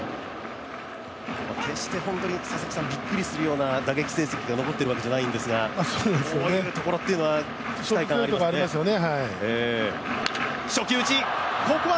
決してびっくりするような打撃成績が残ってるわけではありませんがこういうところというのは、期待感がありますよね。